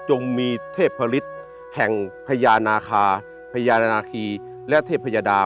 จงมีเทพฤษแห่งพญานาคาพญานาคีและเทพยดา